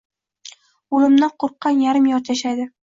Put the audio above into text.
Oʻlimdan qoʻrqqan yarim-yorti yashaydi